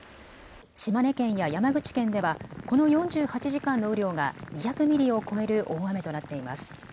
島根県や山口県ではこの４８時間の雨量が２００ミリを超える大雨となっています。